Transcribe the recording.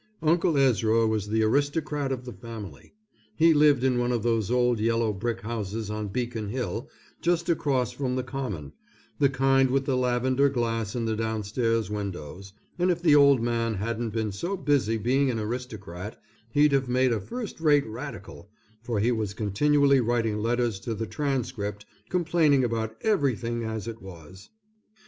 Uncle Ezra was the aristocrat of the family. He lived in one of those old yellow brick houses on Beacon Hill just across from the common, the kind with the lavender glass in the downstairs windows, and if the old man hadn't been so busy being an aristocrat, he'd have made a first rate radical, for he was continually writing letters to the Transcript complaining about everything as it was.